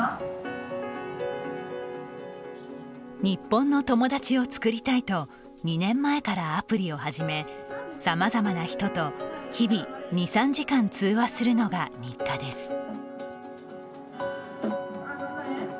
日本の友達を作りたいと２年前からアプリを始めさまざまな人と日々２３時間通話するのが日課です。